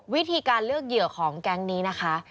วิธีการเลือกเหยื่อของแก๊งนี้นะคะ